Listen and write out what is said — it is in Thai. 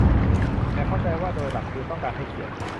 แต่เข้าใจว่าโดยหลักคือต้องการให้เขียน